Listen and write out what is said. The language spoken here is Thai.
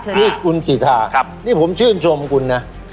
นี่คุณสิทธานี่ผมชื่นชมคุณนะ